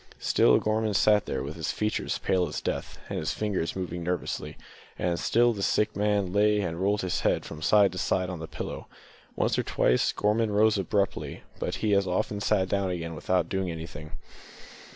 Still Gorman sat there, with his features pale as death, and his fingers moving nervously; and still the sick man lay and rolled his head from side to side on the pillow. Once or twice Gorman rose abruptly, but he as often sat down again without doing anything.